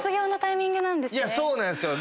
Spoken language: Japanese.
そうなんですよ。